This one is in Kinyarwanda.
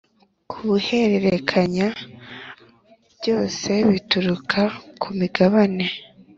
kubuhererekanya byose bituruka ku migabane